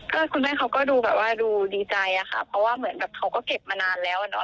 คุณแม่เขาก็ดูดีใจค่ะเพราะว่าเหมือนแบบเขาก็เก็บมานานแล้วเนาะ